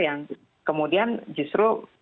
yang kemudian justru